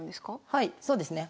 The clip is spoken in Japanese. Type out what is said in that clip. はいそうですね